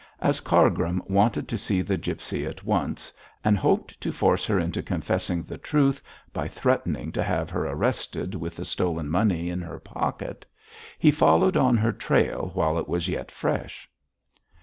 As Cargrim wanted to see the gipsy at once, and hoped to force her into confessing the truth by threatening to have her arrested with the stolen money in her pocket, he followed on her trail while it was yet fresh.